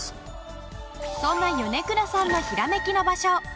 そんな米倉さんのヒラメキの場所。